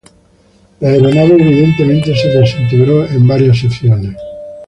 La aeronave evidentemente se desintegró en varias secciones.